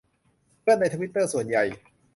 เพื่อนในทวิตเตอร์ ส่วนใหญ่